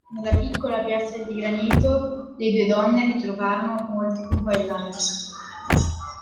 Nella piccola piazza di granito le due donne ritrovarono molti compaesani.